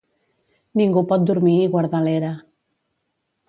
Ningú pot dormir i guardar l'era.